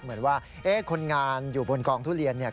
เหมือนว่าคนงานอยู่บนกองทุเรียนเนี่ย